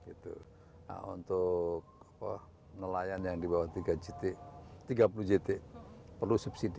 nah untuk nelayan yang dibawah tiga puluh gt perlu subsidi